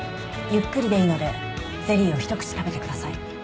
ゆっくりでいいのでゼリーをひと口食べてください。